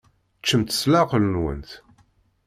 Ččemt s leɛqel-nwent.